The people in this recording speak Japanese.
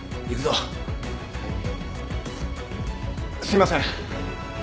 すいません。